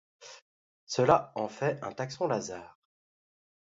Cela en fait un taxon Lazare.